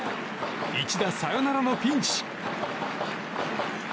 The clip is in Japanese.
一打サヨナラのピンチ。